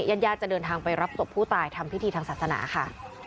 ญาติญาติจะเดินทางไปรับศพผู้ตายทำพิธีทางศาสนาค่ะ